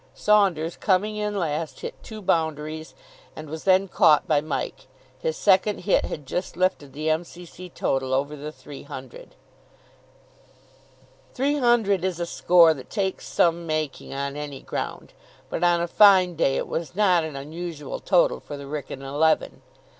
Saunders, coming in last, hit two boundaries, and was then caught by Mike. His second hit had just lifted the M.C.C. total over the three hundred. Three hundred is a score that takes some making on any ground, but on a fine day it was not an unusual total for the Wrykyn eleven.